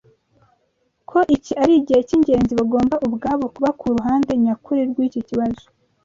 ko iki ari igihe cy’ingenzi bagomba ubwabo kuba ku ruhande nyakuri rw’iki kibazo